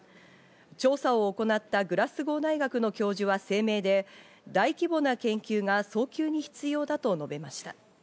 調査を行ったグラスゴー大学の教授は声明で、大規模な研究が早急に必要だと述べました。